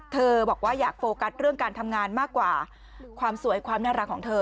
บอกว่าอยากโฟกัสเรื่องการทำงานมากกว่าความสวยความน่ารักของเธอ